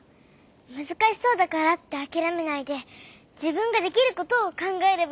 むずかしそうだからってあきらめないでじぶんができることをかんがえればいいのか。